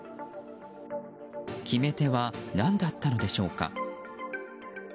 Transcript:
決め手は何だったのでしょうか。